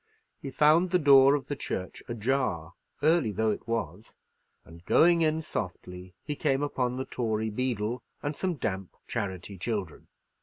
He found the door of the church ajar, early though it was, and going in softly, he came upon the Tory beadle and some damp charity children.